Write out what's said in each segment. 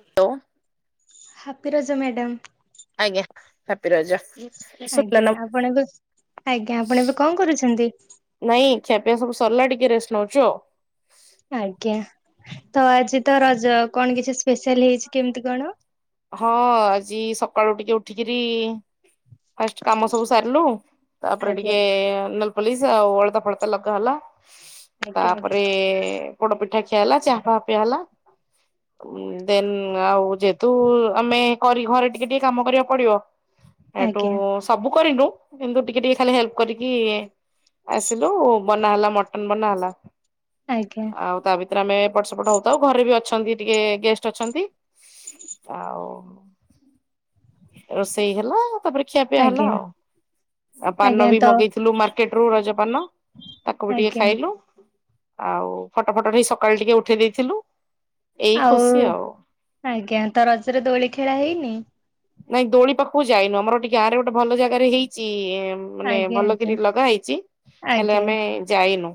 Hello. Happy Raja madam. ଆଜ୍ଞା happy Raja. ଶୁଭିଲା ଆଜ୍ଞା ନା? ଭଏସ? ଆପଣ ଏବେ ଆଜ୍ଞା ଆପଣ ଏବେ କଣ କରୁଛନ୍ତି? ନାଇଁ ଖିଆପିଆ ସବୁ ସରିଲା ଟିକେ ରେଷ୍ଟ ନେଉଛ ଆଉ। ଆଜ୍ଞା ତ ଆଜି ତ ରଜ କଣ କିଛି ସ୍ପେଶାଲ ହେଇଛି କେମିତି କଣ? ହଁ ଆଜି ସକାଳୁ ଟିକେ ଉଠିକିରି ଫାଷ୍ଟ୍ କାମ ସବୁ ସାରିଲୁ ତାପରେ ଆଜ୍ଞା ଟିକେ ପଲିସ୍ ଆଉ ଅଳତା ଫଳତା ଲଗା ହେଲା ଆଜ୍ଞା ତାପରେ ପୋଡ ପିଠା ଖିଆ ହେଲା ଚାହା ପିଆ ହେଲା। ଦେନ୍ ଆଉ ଯେହେତୁ ଆମେ କରି ଘରେ ଟିକେ ଟିକେ କାମ କରିବାକୁ ପଡିବ ସେଇଠୁ ଆଜ୍ଞା ସବୁ କରିନୁ କିନ୍ତୁ ଟିକେ ଟିକେ ଖାଲି ହେଲ୍ପ୍ କରିକି ଆସିଲୁ ବନାହେଲା ମଟନ୍ ବନାହେଲା। ଆଜ୍ଞା ଆଉ ତା ଭିତରେ ଆମେ ପଟ ସେପଟ ହଉଥାଉ ଘରେ ବି ଅଛନ୍ତି ଟିକେ ଗେଷ୍ଟ ଅଛନ୍ତି ଆଉ ରୋଷେଇ ହେଲା ତାପରେ ଖିଆପିଆ ହେଲା ଆଜ୍ଞା ଆଉ ଆଉ ଆଜ୍ଞା ପାନ ବି ତ ମଗେଇଥିଲୁ ମାର୍କେଟରୁ ରଜପାନ ତାକୁ ବି ଟିକେ ଆଜ୍ଞା ଖାଇଲୁ। ଆଉ ଫଟ ଫଟ ଟିକେ ସକାଳୁ ଟିକେ ଉଠେଇ ଦେଇଥିଲୁ। ଏଇ ଆଉ ଖୁସି ଆଜ୍ଞା ତ ରଜରେ ଦୋଳି ଖେଳା ହେଇନି? ନାଇଁ ଦୋଳି ପାଖକୁ ଯାଇନୁ ଆମର ଏଠି ଗାଁ ରେ ଗୋଟେ ଭଲ ଜାଗାରେ ହେଇଛି। ମାନେ ଆଜ୍ଞା ଭଲ ଆଜ୍ଞା କରିକି ଲଗା ହେଇଛି ହେଲେ ଆଜ୍ଞା ଆମେ ଯାଇନୁ।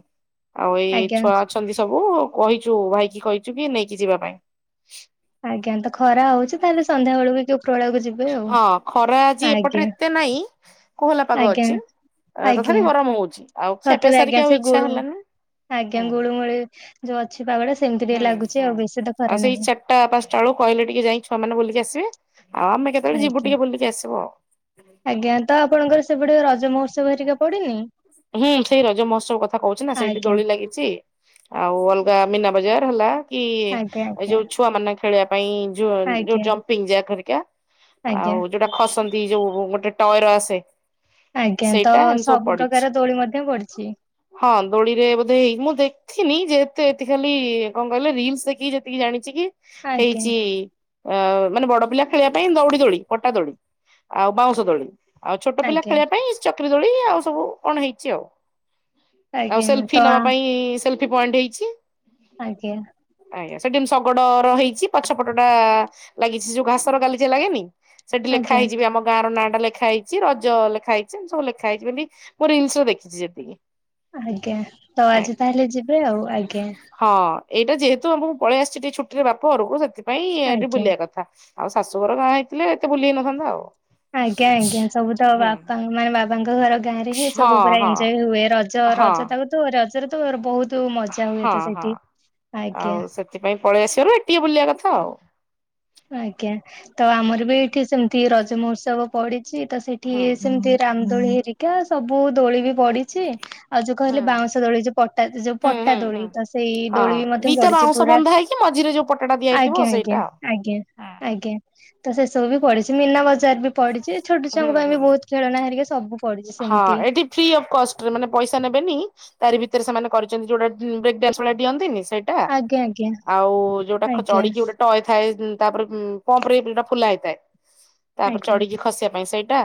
ଆଉ ଏଇ ଆଜ୍ଞା ଛୁଆ ଅଛନ୍ତି ସବୁ କହିଛୁ ଭାଇକି କହିଛୁ କି ନେଇକି ଯିବା ପାଇଁ। ଆଜ୍ଞା ତ ଖରା ହଉଛି ତାହେଲେ ସନ୍ଧ୍ୟା ବେଳକୁ କି ଓପର ବେଳାକୁ ଯିବେ। ଆଉ ହଁ ଖରା ଆଜି ଆଜ୍ଞା ଏପଟରେ ଏତେ ନାଇଁ କୋହଲା ପାଗ ଆଜ୍ଞା ଅଛି। ଏ ତଥାପି ଗରମ ହଉଛି। ଆଉ ଖିଆପିଆ ସତରେ ସାରିକି ଆଜ୍ଞା ଆଉ ସେ ଇଚ୍ଛା ଗୁଳୁ ହେଲାନି ଆଜ୍ଞା ହୁଁ। ଗୁଳୁମୁଳି ଯୋଉ ଅଛି ପାାଗଟା ସେମିତି ଟିକେ ହୁଁ ଲାଗୁଛି ହୁଁ। ଆଉ ବେଶି ତ ଆଉ ଖରା ସେଇ ନାହିଁ। ଚାରିଟା ପାଞ୍ଚଟା ବେଳକୁ କହିଲେ ଟିକେ ଯାଇ ଛୁଆମାନେ ବୁଲିକି ଆସିବେ ଅ ଆମେ କେତବେଳେ ଯିବୁ ଆଜ୍ଞା। ଟିକେ ବୁଲିକି ଆସିବୁ। ଆଜ୍ଞା ତ ଆପଣଙ୍କର ସେପଟେ ରଜ ମହୋତ୍ସବ ହେରିକା ପଡନି? ହୁଁ ସେଇ ରଜ ମହୋତ୍ସବ କଥା କହୁଛି ନା ସେଇଠି ଆଜ୍ଞା ଦୋଳି ଲାଗିଛି। ଆଉ ଅଲଗା ମୀନା ବଜାର ହେଲା କି ଆଜ୍ଞା ଏ ଆଜ୍ଞା ଯୋଉ ଛୁଆ ମାନ ଖେଳିବା ପାଇଁ ଯୋ ଯୋଉ ଆଜ୍ଞା ଜମ୍ପିଙ୍ଗ୍ ଯାକ୍ ହେରିକା ଆଜ୍ଞା ଆଉ ଯୋଉଟା ଖସନ୍ତି ଯୋଉ ଗୋଟେ ଟଏର ଆସେ। ଆଜ୍ଞା ତ ସେଇଟା ଏମିତି ସବୁ ପଡିଛି। ପ୍ରକାର ଦୋଳି ମଧ୍ୟ ପଡିଛି। ହଁ ଦୋଳିରେ ବୋଧେ ହେଇ ମୁଁ ଦେଖ ଦେଖିନି ଯେହେତୁ ଏତିକି ଖାଲି କଣ କହିଲେ ରିଲସ୍ ଦେଖି ଯେତିକି ଜାଣିଛି କି ଆଜ୍ଞା। ହେଇଛି ଅ ମାନେ ବଡ ପିଲା ଖେଳିବା ପାଇଁ ଦଉଡି ଦୋଳି, ପଟା ଦୋଳି ଆଉ ବାଉଁଶ ଦୋଳି। ଆଉ ଛୋଟ ପିଲା ଆଜ୍ଞା ଖେଳିବା ପାଇଁ ଚକ୍ରି ଦୋଳି ଆଉ ସବୁ କଣ ହେଇଛି ଆଉ। ଆଉ ଆଜ୍ଞା ସେଲଫି ତ ନବା ଆ- ପାଇଁ ସେଲଫି ପଏଣ୍ଟ୍ ହେଇଛି। ଆଜ୍ଞା ଆଜ୍ଞା ସେଠି କିନ୍ତୁ ଶଗଡର ହେଇଛି ପଛପଟ ଟା ଲାଗିଛି ଯୋଉ ଘାସର ଗାଲିଚା ଲାଗେନି ସେଠି ଲେଖା ଆଜ୍ଞା ହେଇଛି ବି ଆମ ଗାଁ ର ନାଁ ଟା ଲେଖା ହେଇଛି ରଜ ଲେଖା ହେଇଛି ସବୁ ଲେଖାହେଇଛି ବି ଜିନିଷ ଦେଖିଛି ଯେତିକି ଆଜ୍ଞା ତ ଆଜ୍ଞା ଆଜି ତାହେଲେ ଯିବେ ଆଉ ଆଜ୍ଞା? ହଁ ଏଇଟା ଯେହେତୁ ମୁଁ ପଳେଇ ଆସିଛି ଟିକେ ଛୁଟିରେ ବାପ ଘରକୁ ସେଥିପାଇଁ ଏଠି ଆଜ୍ଞା। ବୁଲିବା କଥା। ଆଉ ଶାଶୁଘର ଗାଁ ହେଇଥିଲେ ଏତେ ବୁଲି ହେଇନଥାନ୍ତା ଆଉ। ଆଜ୍ଞା ଆଜ୍ଞା ସବୁ ତ ହୁଁ ବାପା ମାନେ ବାବାଙ୍କ ଘର ଗାଁ ରେ ହିଁ ହଁ ସବୁ ପୁରା ହଁ ଏନଂଜୟ ହୁଏ ରଜ ହଁ। ରଜ ତାକୁ ତ ରଜରେ ତ ବହୁତ ମଜା ହୁଏ ହଁ ତ ହଁ ସେଇଠି ଆଜ୍ଞା। ଆଉ ସେଥିପାଇଁ ପଳେଇ ଆସିବାରୁ ଏ ଟିକେ ବୁଲିବା କଥା ଆଉ। ଆଜ୍ଞା ତ ଆମର ବି ଏଠି ସେମିତି ରଜ ମହୋତ୍ସବ ପଡିଛି ତ ସେଠି ହୁଁ। ସେମତି ରାମ ଦୋଳି ହେରିକା ସବୁ ଦୋଳି ବି ପଡିଛି। ଆଉ ଯୋଉ ହୁଁ କହିଲେ ବାଉଁଶ ଦୋଳି ଯୋଉ ପଟା ଯୋଉ ହୁଁ ପଟା ହୁଁ ହୁଁ ଦୋଳି ତ ସେଇ ଦୋଳି ବି ମଧ୍ୟ ପଢିଛି। ପୁରା କି ମଝିରେ ଯୋଉ ପଟାଟା ଦିଆ ହେଇଥିବ ଆଜ୍ଞା ଆଜ୍ଞା ସେଇଟା ଆଜ୍ଞା! ଆଜ୍ଞା! ତ ସେ ସବୁ ବି ପଢିଛି, ମୀନା ବଜାର ବି ପଢିଛି, ଛୋଟ ହୁଁ ଛୁଆଙ୍କ ପାଇଁ ହୁଁ ବି ବହୁତ ଖେଳନା ହେରିକା ସବୁ ପଡିଛି ହଁ ସେମିତି ଏଠି ଫ୍ରି ଅଫ୍ କଷ୍ଟରେ ମାନେ ପଇସା ନେବେନି ତାରି ଭିତରେ ସେମାନେ କରିଛନ୍ତି। ଯୋଉଟା ବ୍ରେକଡ୍ୟାନ୍ସ ଭଳିଆ ଡିଅନ୍ତିନି ସେ ହେଲା। ଆଜ୍ଞା ଆଜ୍ଞା ଆଉ ଯୋଉଟା ଖ ଆଜ୍ଞା ଚଢକି ଗୋଟେ ଟଏ ଥାଏ। ତାପରେ ପମ୍ପରେ ଏ ଯୋଉ ଟା ଫୁଲା ହେଇଥାଏ। ତାପରେ ଆଜ୍ଞା ଚଢିକି ଖସିବା ପାଇଁ ସେଇଟା।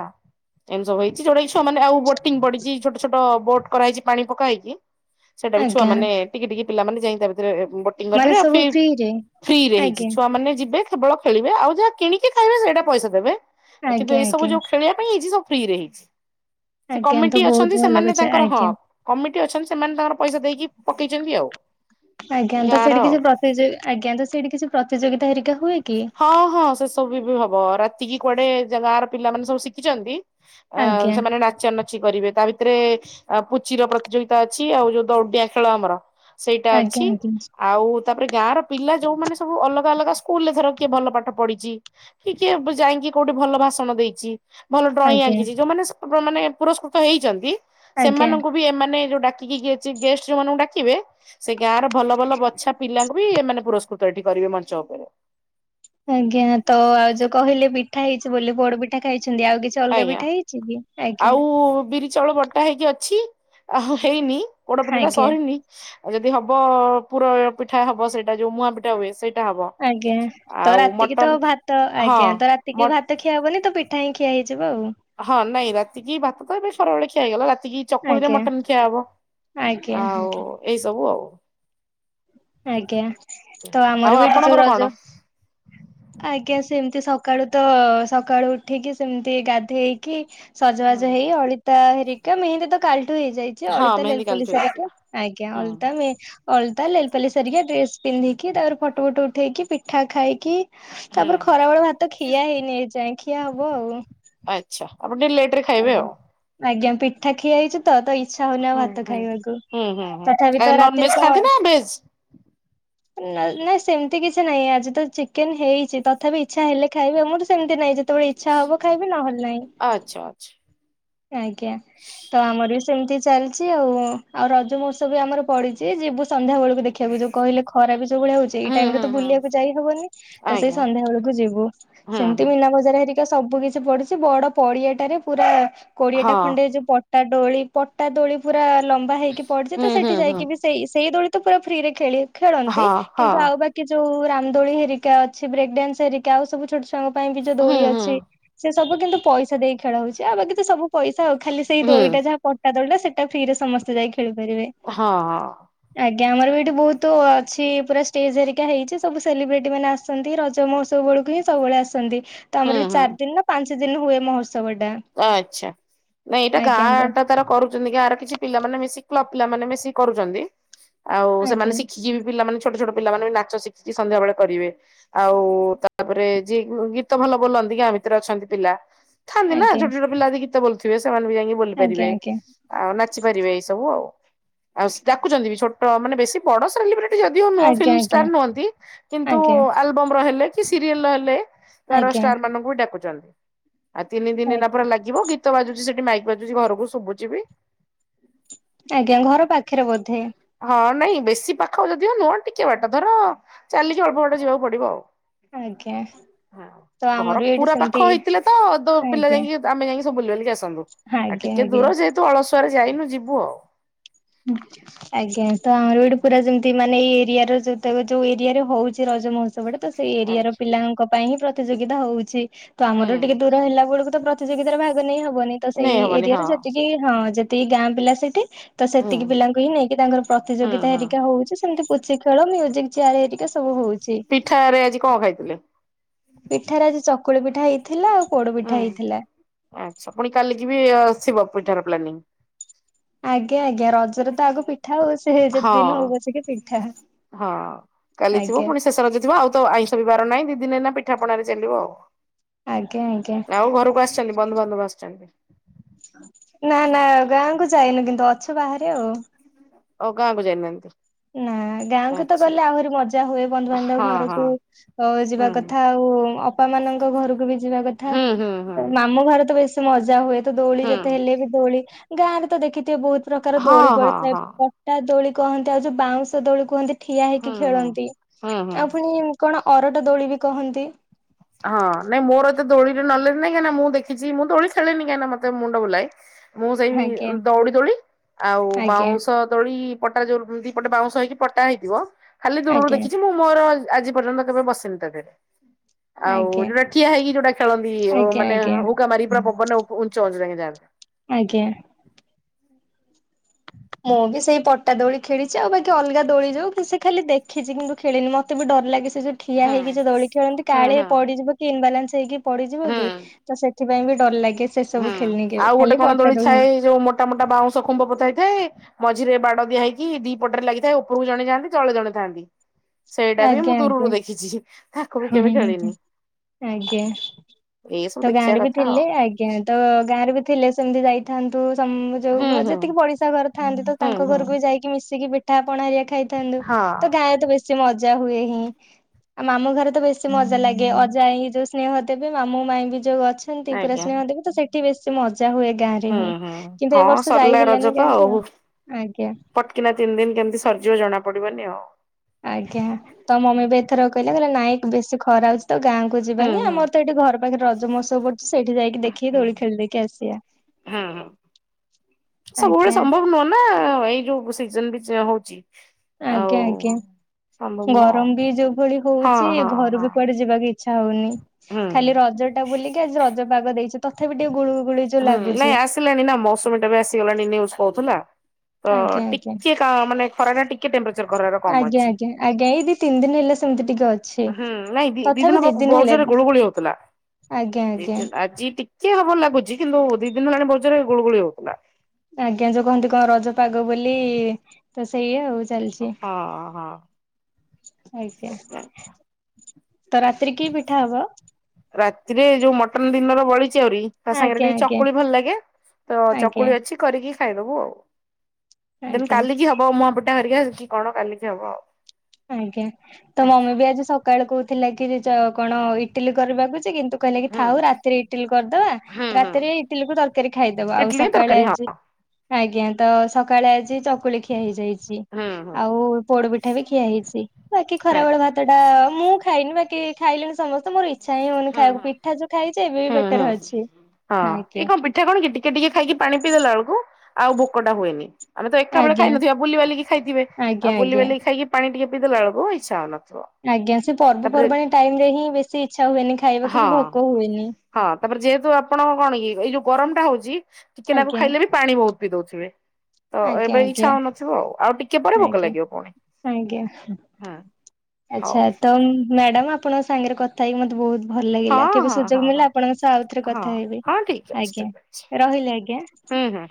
ଏମିତି ସବୁ ହେଇଛି। ଚଢେଇ ଛୁଆ ମାନେ ଆଉ ବୋଟିଂ ପଡିଛି। ଛୋଟ ଛୋଟ ବୋଟ କରାହେଇଛି। ପାଣି ପକା ହେଇକି ସେଇଟା ବି ଛୁଆ ଆଜ୍ଞା ମାନେ ଟିକି ଟିକି ପିଲାମାନେ ଯାଇ ତା ଭିତରେ ବୋଟିଂ ମାନେ କରିପାରିବେ। ଆଉ ସବୁ ଫ୍ରିରେ ଫ୍ରିରେ ହେଇଛି ଆଜ୍ଞା ଛୁଆମାନେେ ଯିବେ କେବଳ ଖେଳିବେ ଆଉ ଯାହା କିଣିକି ଖାଇବେ ସେଇଟା ପଇସା ଦେବେ। କିନ୍ତୁ ଆଜ୍ଞା ଏଇ ସବୁ ଆଜ୍ଞା ଯୋଉ ଖେଳିବା ପାଇଁ ହେଇଛି। ସବୁ ଫ୍ରି ରେ ହେଇଛି। ସେ ଆଜ୍ଞା କମିଟି ତ ବହୁତ ଅଛନ୍ତି। ଭଲ ସେମାନେ କଥା ତାଙ୍କର ହଁ, ଆଜ୍ଞା କମିଟି ଅଛନ୍ତି। ସେମାନେ ତାଙ୍କର ପଇସା ଦେଇକି ପକେଇଛନ୍ତି। ଆଉ ଆଜ୍ଞା! ତ ଗାଁର ସେଇଠି ଆଉ। କିଛି ପ୍ରତିଯୋଗ ଆଜ୍ଞା! ତ ସେଇଠି କିଛି ପ୍ରତିଯୋଗିତା ହେରିକା ହୁଏ କି? ହଁ, ହଁ, ସେ ସବୁ ବି ହବ ରାତିକି କୁଆଡେ ଗାଁ ର ପିଲାମାନେ ସବୁ ଶିଖିଛନ୍ତି। ଅଂ ଆଜ୍ଞା ସେମାନେ ନା ନଚା ନଚି କରିବେ ତା ଭିତରେ ପୁଚିର ପ୍ରତିଯୋଗିତା ଅଛି। ଆଉ ଯୋଉ ଦଉଡିଣ୍ଡିଆ ଖେଳ ହେବ। ସେଇଟା ଆଜ୍ଞା ଅଛି। ଆଜ୍ଞା ଆଉ ତାପରେ ଗାଁ ର ପିଲା ଯୋଉମାନେ ସବୁ ଅଲଗା ଅଲଗା ସ୍କୁଲ ରେ ଧର କିଏ ଭଲ ପାଠ ପଢିଛି। କି କିଏ ଯାଇକି କୋଉଠି ଭଲ ଭାଷଣ ଦେଇଛି। ଭଲ ଡ୍ରଇଂ ଆଜ୍ଞା ଆଙ୍କିଛି ଯୋଉମାନେ ମାନେ ପୁରସ୍କୃତ ହେଇଛନ୍ତି। ଆଜ୍ଞା। ସେମାନଙ୍କୁ କି ଏମାନେ ଯୋଉ ଡାକିକି କି ଯୋଉ ଗେ ଜେ ଗେଷ୍ଟ ମାନଙ୍କୁ ଡାକିବେ ସେ ଗାଁର ଭଲ ଭଲ ବଛା ପିଲାଙ୍କୁ ବି ଏମାନେ ପୁରସ୍କୃତ ଏଠି କରିବେ। ମଞ୍ଚ ଉପରେ ଆଜ୍ଞା! ତ ଆଉ ଯୋଉ କହିଲେ ପିଠା ହେଇଛି ବୋଲି ପୋଡ଼ ପିଠା ପିଠା ଖାଇଛନ୍ତି। ଆଉ କିଛି ଅଲଗା ଆଜ୍ଞା। ପିଠା ହେଇଛି କି? ଆଜ୍ଞା! ଆଉ ବିରି ଚାଉଳ ବଟା ହେଇକି ଅଛି। ଆଉ ହେଇନି ପୋଡ଼ ପିଠା ଟା ଆଜ୍ଞା ସରିନି ଆଉ ଯଦି ହବ ପୁର ପିଠା ହବ ସେଇଟା ଯୋଉ ମୁୂଆଁ ପିଠା ହୁଏ। ସେଇଟା ହବ। ଆଜ୍ଞା! ତ ଆଉ ରାତିକି ମଟନ ତ ଭାତ, ହଁ ଆଜ୍ଞା! ତ ମ ରାତିକି ଭାତ ତ ଖିଆ ହବନି ତ ପିଠା ହିଁ ଖିଆ ହେଇଯିବ ଆଉ ହଁ, ନାଇଁ ରାତିକି ଭାତ ତ ଏବେ ଖରା ବେଳେ ଖିଆହେଇଗଲା। ରାତିକି ଚକୁଳି ରେ ଆଜ୍ଞା ମଟନ ଖିଆ ହବ। ଆଜ୍ଞା ଆଉ ଏଇ ସବୁ ଆଉ ଆଜ୍ଞା ତ ଆମର ଆଉ ବି ଏଠି ଯୋଉ ଆପଣଙ୍କର ରଜ କଣ? ଆଜ୍ଞା! ସେମିତି ସକାଳୁ ତ ସକାଳୁ ଉଠିକି ସେମିତି ଗାଧେଇେଇକି ହେଁ ସଜବାଜ ହେଇ ଅଳିତା ହେରିକା ମେହେନ୍ଦୀ ତ କାଲଠୁ ହେଇଯାଇଛି। ହଁ ଅଳିତା ମେହେନ୍ଦୀ କାଲିଠୁ ଲେଲପଲିସ ହେରିକା ହେଇଥିଲା ଆଜ୍ଞା! ହୁଁ ଅଳତା ନେ ଅଳତା ଲେଲପାଲି ହେରିକା ଡ୍ରେସ ପିନ୍ଧିକି, ତାପରେ ଫଟୋ ଫଟୁ ଉଠେଇକି ପିଠା ଖାଇକି ହୁଁ ତାପରେ ଖରାବେେଳ ଭାତ ଖିଆ ହେଇନି ଏଇଯାଏ ଖିଆ ହବ ଆଉ ଆଚ୍ଛା! ଆପଣ ଟେକେ ଲେଟର ଆଜ୍ଞା! ଆଜ୍ଞା! ପି ପିଠା ଖିଆ ହେଇଛି ତ ଇଚ୍ଛା ହଉନି ଆଉ ହୁଁ ଭାତ ହୁଁ ଖାଇବାକୁ ତଥାପି ତ ରାତିରେ କ ବେସ ନା ନାଇଁ ସେମିତି କିଛି ନାହିଁ ଆଜି ତ ଚିକେନ ହେଇଛି। ତଥାପି ଇଚ୍ଛା ହେଲେ ଖାଇବ ଆମର ସେମିତି ନାଇଁ ଯେତେବେଳେ ଇଚ୍ଛ ହବ ଖାଇବି ନହେଲେ ନାହିଁ। ଆଚ୍ଛା! ଆଚ୍ଛା! ଆଜ୍ଞା! ତ ଆମର ବି ସେମିତି ଚାଲିଛି ଆଉ, ଆଉ ରଜମଉସବ ବି ଆମର ପଡିଛି ଯିବୁ ସନ୍ଧ୍ୟା ବଳକୁ ଦେଖିବାକୁ ଯିବୁ, କହିଲେ ଖରା ବି ଯୋଉ ଭଳିଆ ହଉଛି ଏଇ ହୁଁ ଟାଇମ ରେ ହୁଁ ତ ହୁଁ ବୁଲିବାକୁ ଯାଇ ହବନି ତ ତ ସେଇ ଆଜ୍ଞା। ସନ୍ଧ୍ୟା ବେଳକୁ ଯିବୁ ହୁଁ ହୁଁ ସେମିତି ମୀନା ବଜାର ହେରି ସବୁ କିଛି ପଡିୁଛି ବଡ ପଡିଆଟାରେ ପୁରା କୋଡିଆ ଟା ହଁ ଖଣ୍ଡେ ଯୋଉ ପ ତା ଡୋଳି ପଟା ଡୋଳି ପୁରା ଲମ୍ବା ହେଇକି ପଡିଛି ହୁଁ ତ ହୁଁ ସେଠି ହୁଁ ଯାଇକି ବି ସେଇ ସେଇ ଦୋଳି ତ ପୁରା ଫ୍ରିରେ ଖେଳି ଖେଳନ୍ତି ହଁ ହଁ କିନ୍ତୁ ଆଉ ବାକି କି ଯୋଉ ରାମ ଦୋଳି ହେରିକା ଅଛି ବ୍ରେକ୍ ଡାନ୍ସ ହେରିକା ଆଉ ସବୁ ଛୋଟ ଛଆ ପାଇଁ ବି ଯୋଉ ହୁଁ ଦୋଳି ହୁଁ ଅଛି ସେ ସବୁ କିନ୍ତୁ ପଇସା ଦେଇ ଖେଳ ହଉଛି ଆଉ ବାକି ତ ସବୁ ପଇସା ଆଉ ଖାଲି ସେଇ ହୁଁ ଦୋଳିଟା ଯାହା ପଟା ତୋଳିରେ ସେଟା ଫ୍ରିରେ ସମସ୍ତେ ଯାଇ ଖେଳିପାରିବେ। ଅହଁ। ଆଜ୍ଞା ଆମର ବି ଏଇଠି ବହୁତ ଅଛି ପୁରା ଷ୍ଟେଜ୍ ଏରିକା ହେଇଛି ସବୁ ସେଲିବ୍ରିଟି ମାନେ ଆ ଆସନ୍ତି ରଜ ମହତ୍ସବ ବେଳକୁ ହିଁ ସବୁବେଳେ ଆସନ୍ତି। ତ ହୁଁ ଆମର ଏଠି ହୁଁ ଚାର ଦିନ ନା ପାଞ୍ଚ ଦିନ ହୁଏ ମହୋତ୍ସବ ଟା। ଆଚ୍ଛା ନାଇଁ ଏଇଟା ଆଜ୍ଞା ଗାଁ ତ ଟା ତାର କରୁଛନ୍ତି ଗାଁ ର କିଛି ପିଲା ମାନେ ମିଶି କ୍ଲବ ପିଲା ମାନେ ମିଶି କରୁଛନ୍ତି, ଆଉ ସେମାନେ ଆଜ୍ଞା ଶିଖ କିିଏ ବି ପିଲାମାନେ ଛୋଟ ଛୋଟ ପିଲାମାନେ ବି ନାଚ ଶିିକି ସନ୍ଧ୍ୟାବେଳେ କରିବେ। ଆଉ ତାପରେ ଯିଏ ଗୀତ ଭଲ ବୋଲନ୍ତି ଗାଁ ଭିତରେ ଅଛନ୍ତି ପିଲା ଥାଆନ୍ତି ନା ଆଜ୍ଞା ଛୋଟ ଛୋଟ ପିଲା ଯଦି ଗୀତ ବୋଲୁଥିବେ ସେମାନେ ବି ଯାଇକି ବୋଲି ଆଜ୍ଞା ପାରିବେ। ଆଜ୍ଞା ଆଉ ନାଚିପାରିବେ ଏଇ ସବୁ ଆଉ, ଆଉ ଡକୁଛନ୍ତି ବି ଛୋଟ ମାନେ ବେଶୀ ବଡ ସେଲିବ୍ରେ ଯଦି ନୁହଁ ଆଜ୍ଞା ଫିଲ୍ମଷ୍ଟାର ଆଜ୍ଞା ନୁହନ୍ତି କିନ୍ତୁ ଆଜ୍ଞା ଆଲବମ ର ହେଲେ କି ସିରିଏଲ ର ହେଲେ ତାର ଆଜ୍ଞା ଷ୍ଟାର ମାନଙ୍କୁ ବି ଡାକୁଛନ୍ତି ଆଉ ତିନି ଦିନ ଏଇନା ଆଜ୍ଞା ନାଚିବ ଗୀତ ବାଜୁଛି ସେଠି ମାଇକ ବାଜୁଛି ଘରକୁ ଶୁଭୁଛିି ବି। ଆଜ୍ଞା ଘର ପାଖରେ ବୋଧେ? ହଁ ନାଇଁ ବେଶୀ ପାଖ ଯଦିଓ ନୁହଁ ଟିକେ ବାଟ ଧର ଚାଲିକି ଅଳ୍ପ ବାଟ ଯିବାକୁ ପଡିବ ଆଉ। ଆଜ୍ଞା। ତ ଆମର ଘର ବି ଏଇଠି ପୁରା ସେମିତି ପାଖ ହେଇଥିଲେ ତ ତୋ ପିଲା ଆଜ୍ଞା ଯାଇକି ଆମେ ଯାଇକି ସବୁ ବୁଲି ବାଲିକି ଆସନ୍ତୁ। ଆଉ ଟିକେ ଆଜ୍ଞା। ଦୂର ଆଜ୍ଞା ଯେହେତୁ ଅଳସୁଆରେ ଯାଇନୁ ଯିବୁ ଆଉ। ଆଜ୍ଞା ତ ଆରୋଡ଼ି ପୁରା ଯେମତି ତି ମାନେ ଏଇ ଏରିଆର ଯେତକ ଯୋଉ ଏରିଆରେ ହଉଛି ରଜ ମହୋତ୍ସବଟା ତ ସେଇ ଏରିଆ ର ଆଚ୍ଛା ପିଲାଙ୍କ ପାଇଁ ହିଁ ପ୍ର ପ୍ରତିଯୋଗିତା ହଉଛି। ତ ହୁଁ ଆମର ଟିକେ ଦୂର ହେଲା ବେଳକୁ ତ ପ୍ରତିଯୋଗିତାରେ ଭାଗ ନେଇ ହବନି ତ ସେଇ ନେଇ ହବନି ହଁ ଏରିଆରେ ଯେତି କି ହଁ ଯେତିକି ଗାଁ ପିଲା ସେଠି ତ ହୁଁ ସେତିକି ପିଲାଙ୍କୁ ହିଁ ନେଇକି ତାଙ୍କର ହୁଁ ପ୍ରତିଯୋଗିତା ହୁଁ। ହେରିକା ହଉଛି। ସେମିତି ପୁଚି ଖେଳ ମ୍ୟୁଜିକ୍ ଚେୟାର ହେରିକା ସବୁ ହଉଛି। ପିଠାରେ ଆଜି କଣ ଖାଇଥିଲେ? ପିଠାରେ ଆଜି ଚକୁଳି ପିଠା ହେଇଥିଲା ଆଉ ପୋଡ ହୁଁ। ପିଠା ହେଇଥିଲା। ଆଚ୍ଛା ପୁଣି କାଲିକି ବି ଥିବ ପିଠାର ପ୍ଲାନିଂ। ଆଜ୍ଞା ଆଜ୍ଞା ରଜ ଜରେ ତ ଆଗ ପିଠା ଆଉ ସେ ଯେତେ ଦିନ ହଁ। ହଉ ପଛକେ ସେ ପିଠା ହଁ। କାଲି ଥିବ ଆଜ୍ଞା। ପୁଣି ଶେଷ ରଜ ଥିବ ଆଉ ତ ଆଇଁଷ ବି ବାର ନାହିଁ ଦି ଦିନ ହେଲା ପିଠା ପଣାରେ ଚାଲିବ ଆଉ। ଆଜ୍ଞା ଆଜ୍ଞା ଆଉ ଘରକୁ ଆସିଛନ୍ତି ବନ୍ଧୁବାନ୍ଧବ ଆସିଛନ୍ତି? ନା ନା ଗାଁକୁ ଯାଇନୁ କିନ୍ତୁ ଅଛୁ ବାହାରେ ଆଉ। ଆଉ ଗାଁକୁ ଯାଇ ନାହାଁନ୍ତି? ନାଁ ଗାଁକୁ ତ ଗଲେ ଆହୁରି ମଜା ହୁଏ ବନ୍ଧୁବାନ୍ଧବ ହଁ ହଁ ଘରକୁ ଓ ଯିବା ହୁଁ କଥା ଆଉ ଅ ବାପା ମାନଙ୍କ ଘରକୁବି ଯିବା କଥା ହୁଁ ହୁଁ ହୁଁ ମାମୁଁ ଘରେତ ବେଶୀ ମଜା ହୁଏ ଦୋଳି ଯେତେ ହୁଁ। ହେଲେବି ଦୋଳି ଗାଁରେତ ଦେଖିଥିବେ ବହୁତ୍ ପ୍ରକାର ଦୋଳି ହଁ ହଁ ପଡ଼ିଥାଏ ହଁ ଟା ଦୋଳି କୁହନ୍ତି ଆଉ ଯୋଉ ବାଉଁଶ ଦୋଳି କୁହନ୍ତି ଠିଆ ହେଇକି ହୁଁ ହୁଁ ଖେଳନ୍ତି ହୁଁ ହୁଁ। ଆଉ ପୁଣି କଣ ଅରଟ ଦୋଳିବି କହନ୍ତି। ହଁ ନାଇଁ ମୋର ଏତେ ଦୋଳିରେ ନଲେଜ୍ ନାଇ କାହିଁକନା ମୁଁ ଦେଖିଚି ମୁଁତ ଦୋଳି ଖେଳେନି କାହିଁକିନା ମତେ ମୁଣ୍ଡ ବୁଲାଏ ମୁଁ ସେଇ ଆଜ୍ଞା ଦଉଡ଼ି ଦୋଳି ଆଉ ଆଜ୍ଞା ବାଉଁଶ ଦୋଳି ପଟାରେ ଯୋଉ ଦିପଟେ ବାଉଁଶ ହେଇକି ପଟା ହେଇଥିବ ଖାଲି ଦୂରରୁ ଆଜ୍ଞା ଦେଖିଚି ମୁଁ ମୋର ଆଜି ପର୍ଯ୍ୟନ୍ତ କେବେ ବସିନିତା ଦେହରେ ଆଉ ଆଜ୍ଞା ଯୋଉଟା ଠିଆ ହେଇକି ଯୋଉଟା ଖେଳନ୍ତି ଆଜ୍ଞା ଆଜ୍ଞା ମାନେ ଆଜ୍ଞା ଉକା ମାରି ପୁରାପବନରେ ଉଞ୍ଚା ଗଛ ଯାଏ ଯାଆନ୍ତି। ଆଜ୍ଞା। ମୁଁବି ସେଇ ପଟା ଦୋଳି ଖେଳିଚି ଆଉ ବାକି ଅଲଗା ଦୋଳି ଯୋଉକି ସେଖାଲି ଦେଖିଚି କିନ୍ତୁ ଖେଳିନି ମତେବି ଡର ଲାଗେ ସେ ଯୋଉ ଠିଆ ହେଇକି ଯୋଉ ଦୋଳି ଖେଳନ୍ତି କାଳେ ପଡ଼ିଯିବକି ଇନବାଲାନ୍ସ ହେଇକି ପଡ଼ିଯିବକି ତ ସେଠି ସେଥିପାଇଁବି ଡର ଲାଗେ ସେସବୁ ଖେଳିନି କେବେ ଖାଲି ପଟା ଦୋଳି। ମୋଟାମୋଟା ବାଉଁଶ ଖୁମ୍ଭ ପୋତା ହେଇଥାଏ ମଝିରେ ବାଡ଼ ଦିଆ ହେଇକି ଦି ପଟରେ ଲାଗିଥାଏ ଉପରକୁ ଜଣେ ଯାଆନ୍ତି ତଳେ ଜଣେ ଥାନ୍ତି। ସେଇଟା ବି ମୁଁ ଆଜ୍ଞା ଦୂରରୁ ଆଜ୍ଞା ଦେଖିଚି। ହୁଁ ହୁଁ ହୁଁ ଆଜ୍ଞା ଏଇ ସବୁ ତ ଦେଖିବା ଗାଁରେବି କଥା ଆଉ ଥିଲେ ଆଜା ଆଜ୍ଞା ତ ଗାଁରେବି ଥିଲେ ସେମିତି ଯାଇଥାନ୍ତୁ ସମୁ ହୁଁ ଯୋଉ ହୁଁ ଯେତିକି ପଡ଼ିଶା ଘର ଥାନ୍ତି ହୁଁ ତତାଙ୍କ ହୁଁ ଘରକୁବି ଯାଇକି ମିଶିକି ପିଠା ପଣାଘରିକା ଖାଇଥାନ୍ତୁ ହଁ। ତ ଗାଁରେତ ବେଶୀ ସେ ମଜା ହୁଏ ହିଁ ଆଉ ମାମୁଁ ଘରେ ତ ବେଶୀ ମଜା ଲାଗେ ଅଜା ଆଇ ହିଁ ଯୋଉ ସ୍ନେହ ଦେବେ ମାମୁଁ ମାଇଁବି ଯୋଉ ଅଛନ୍ତି ପୁରା ଆଜ୍ଞା ସ୍ନେହ ଦେବେ ତସେଇ ଏଠି ବେଶୀ ମଜା ହୁଏ ଗାଁରେ ହୁଁ ହିଁ ହୁଁ କିନ୍ତୁ ଏ ହଁ ବର୍ଷ ଯାଇ ସରିଲା ରଜ ହେଲାନି ତ ଗାଁକୁ ଆଉ ଆଜ୍ଞା। ପଟକିନା ତିନି ଦିନ କେମିତି ସରିଯିବ ଜଣା ପଡ଼ିବନି ଆଉ। ଆଜ୍ଞା ତମମିବି ଏଥର କହିଲେ କହିଲେ ନାଇ ବେଶୀ ଖରା ହଉଚିତ ଗାଁକୁ କୁ ହୁଁ ଯିବାନି ହୁଁ ଆମରତ ଏଇଠି ଘର ପାଖରେ ରଜ ମହତ୍ସବ ପଡ଼ୁଚି ସେଇଠି ଯାଇକି ଦେଖିକି ଦୋଳି ଖେଳି ଦେଇକି ଆସିବା। ହଁ। ଆଜ୍ଞା। ନା ଏଇ ଯୋଉ ସିଜନବି ହଉଚି? ଆଜ୍ଞା ସମ୍ଭବ ଆଜ୍ଞା ନୁହଁ ଗରମବି ଯୋଉ ଭଳି ଆଉ ହଉଚି ହଁ ହଁ ହଁ ଘରୁବି କୁଆଡ଼େ ଯିବାକୁ ଇ ଛା ହଉନି ଖାଲି ହୁଁ। ରଜଟା ବୁଲିକି ଆଜି ରଜ ପାଗ ଦେଇଚି ତଥାପି ଟିକେ ଗୁଳୁ ଗୁଳି ଯୋଉ ହୁଁ ଲାଗୁଛି। ନାଇଁ ଆସିଲାଣି ନା ମୌସୁମୀ ଟା ବି ଆସିଗଲାଣି ନିନ୍ୟୁଜ କହୁଥିଲା। ତ ଆଜ୍ଞା ଆଜ୍ଞା ଟିକେ କ ମାନେ ଖରାରେ ଟିକେ ଟେମ୍ପରେଚର ଖରା କମ ଆଜ୍ଞା ଅଛି। ଆଜ୍ଞା ଆଜ୍ଞା ଏ ଦି ତିନ ଦିନ ହେଲା ସେମିତିିକ କିକେଅ ହୁଁ ନାଇଁ ଦି ଦି ଦିନ ବଉ ଜୋରେ ଗୋଳୁ ଗୋଳି ହଉଥିଲା ଆଜ୍ଞା ଦି ଆଜ୍ଞା ଦ ଆଜି ଟିକେ କିଏ ହବର ଲାଗୁଚି କିନ୍ତୁ ଦି ଦିନ ହେଲାଣି ବୋଉ ଜୋରେ ଗୁଳଗୁଳି ହେଉଥିଲା। ଆଜ୍ଞା ଯୋଉ କହନ୍ତି କଣ ରଜ ପାଗ ବୋଲି ତ ସେଇଆ ଆଉ ହଁ ଚାଲିଚି। ହଁ। ଆଜ୍ଞା ତ ରାତିରେ କି ପିଠା ହବ? ରାତିରେ ଯୋଉ ମଟନ ଦିନର ବଳିଚି ଆହୁରି ତା ସାଙ୍ଗରେ ଆଜ୍ଞା ଟିକେ ଆଜ୍ଞା ଚକୁଳି ଭଲ ଲାଗେ ଆଜ୍ଞା ତଚକୁଳି ଅଛି କରିକି ଖାଇଦବୁ ଆଉ। ଦେମ ଆଜ୍ଞା କାଲିକି ହବ ଆପୁଟା ହରିକିଘ୍ର କଣ କାଲିକି ହବ ଆଉ। ଆଜ୍ଞା ତ ମମିବି ଆଜି ସକାଳୁ କହୁଥିଲାକି କଣ ଇଟିଲି କରିବାକୁଚି କିନ୍ତୁ କହିଲେକି ହୁଁ ଥାଉ ରାତିରେ ଇଟିଲି କରିଦବା ହୁଁ ହୁଁ ରାତିରେ ଇଟିଲିକୁ ତରକାରୀ ଖାଇଦବ ଆଉ ଇଟଲି ତରକାରୀ ସକାଳେ ହଁ ଆଜି ଆଜ୍ଞା ତସକାଳେ ଆଜି ଚକୁଳି ଖିଆ ହେଇଯାଇଛି ହୁଁ ହୁଁ ଆଉ ପୋଡ଼ ପିଠାବି ବାକି ହୁଁ ଖରାବେଳେ ଭାତ ଟା ମୁଁ ଖାଇନି ବାକି ଖାଇଲେଣି ସମସ୍ତେ ମୋର ଇ ଇଛା ହିଁ ହଉନି ଖାଇବାକୁ ହୁଁ ପିଠା ଯୋଉ ଖାଇଛି ଏବେ ବି ପେଟରେ ଅଛି ଆଜ୍ଞା। ଏଠି କଣ କି ଟିକେ ଟିକେ ଖାଇକି ପାଣି ପିଇଦେଲା ବେଳକୁ ଆଉ ଭୋକଟା ହୁଏନି। ଆମେ ତ ଏକା ବେଳେ ଆଜ୍ଞା ଖାଇନଥିବା ବୁଲିିବାଲିକି ଖାଇଥିବେ ଆଜ୍ଞା ଆଉ ଆଜ୍ଞା ବୁଲିିବାଲିକି ଖାଇକି ପାଣି ଟିକେ ପିଇ ଦେଲା ବେଳକୁ ଇଚ୍ଛାହଉନଥିବ। ଆଜ୍ଞା ସେ ପର୍ବପର୍ବାଣୀ ଟାଇମ ରେ ହିଁ ବେଶୀ ଇଚ୍ଛା ହୁଏନି ଖାଇବାକୁ ହଁ। କି ଭୋକ ହୁଏନି। ହଁ ତାପରେ ଯେହେତୁ ଆପଣ କଣ କି ଏଇ ଯୋଉ ଗରମ ଟା ହଉଛି ଟିକେନାକୁ ଆଜ୍ଞା। ଖାଇଲେ ବି ପାଣି ବହୁତ ପିଇ ଦଉଥିବେ। ତ ଆଜ୍ଞା ଏବେ ଆଜ୍ଞା ଇଛା ହଉନଥିବ ଆ ଆଉ ଟିକେ ପରେ ଭୋକ ଆଜ୍ଞା ଲାଗିବ ପୁଣି ହଁ। ଆଛା ତ ମ୍ୟାଡାମ ଆପଣଙ୍କ ସାଙ୍ଗରେ କଥା ହେଇକି ମତେ ବହୁତ ଭଲ ଲାଗିଲା ହଁ କେବେ ହଁ ସୁଯୋଗ ହଁ ମିଳିଲା ହଁ ଆପଣଙ୍କ ସହ ଆଉଥରେ ହଁ କଥା ହେବି। ହଁ ଠିକ ଅଛି ଆଜ୍ଞା ଠିକ ଅଛି ରହିଲି ଆଜ୍ଞା। ହୁଁ ହୁଁ।